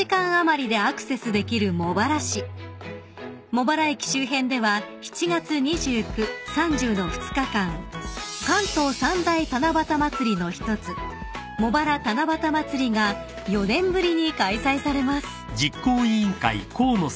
［茂原駅周辺では７月２９・３０の２日間関東三大七夕祭りの一つ茂原七夕まつりが４年ぶりに開催されます］